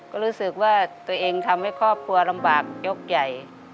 ก็รู้สึกว่าตัวเองทำให้ครอบครัวลำบากยกใหญ่